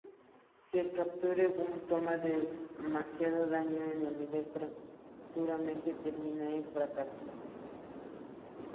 Si el Capture Gun toma demasiado daño, el nivel prematuramente termina en el fracaso.